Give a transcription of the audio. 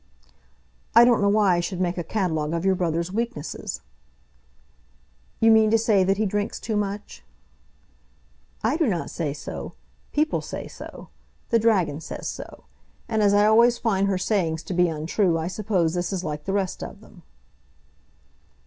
"I don't know why I should make a catalogue of your brother's weaknesses." "You mean to say that he drinks too much?" "I do not say so. People say so. The dragon says so. And as I always find her sayings to be untrue, I suppose this is like the rest of them."